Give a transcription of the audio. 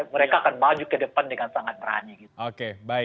mereka akan maju ke depan dengan sangat berani gitu